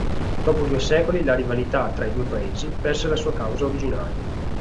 Dopo due secoli, la rivalità tra i due paesi perse la sua causa originaria.